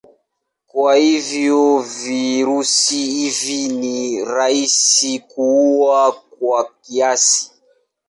Kwa hivyo virusi hivi ni rahisi kuua kwa kiasi.